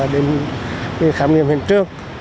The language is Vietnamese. đến khám nghiệm hình trường